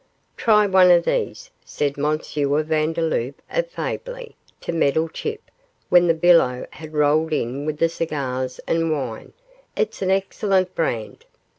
Try one of these,' said M. Vandeloup, affably, to Meddlechip, when the billow had rolled in with the cigars and wine, 'it's an excellent brand.